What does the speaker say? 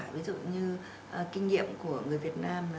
ví dụ như kinh nghiệm của người việt nam